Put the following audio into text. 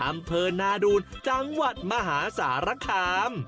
อำเภอนาดูนจังหวัดมหาสารคาม